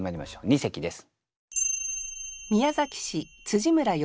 二席です。